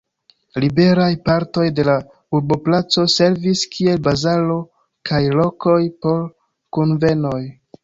Liberaj partoj de la urboplaco servis kiel bazaro kaj lokoj por kunvenoj.